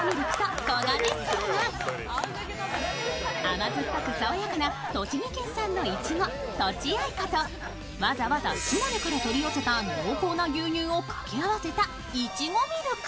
甘酸っぱく爽やかな栃木県産のいちご、とちあいかと、わざわざ島根から取り寄せた濃厚な牛乳を掛け合わせたいちごミルク。